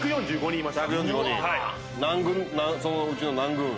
そのうちの何軍？